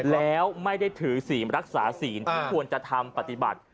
แล้วไม่ได้ถือศีลรักษาศีลที่ควรจะทำปฏิบัติ